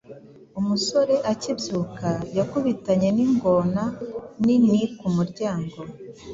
umusore akibyuka yakubitaniye n’ingona nini ku muryango